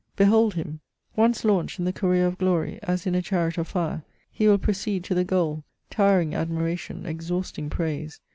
Behold him ! Once launched in the career of glory, as in a chariot of fire, he will proceed t9 the goal, tiring admiration, exhausting praise.